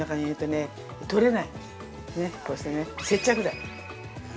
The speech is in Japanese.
ね、こうしてね、接着剤。